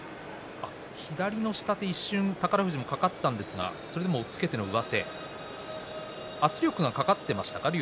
左の下手に宝富士も一瞬かかったんですが押っつけての上手圧力がかかっていましたか竜